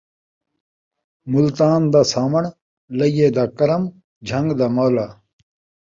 ملتان دا ساوݨ ، لیہ دا کرم ، جھن٘گ دا مُولا